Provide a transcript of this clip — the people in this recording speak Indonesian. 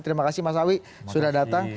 terima kasih mas awi sudah datang